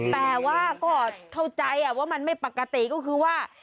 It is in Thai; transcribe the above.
แต่ว่าก็เข้าใจว่ามันไม่ปกติก็คือว่า